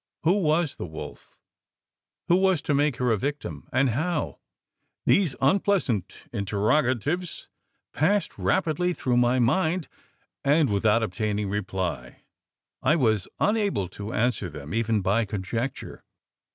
Who was the wolf? Who was to make her a victim? and how? These unpleasant interrogatives passed rapidly through my mind, and without obtaining reply. I was unable to answer them, even by conjecture.